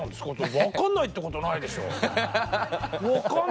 分かんないってことはないでしょ。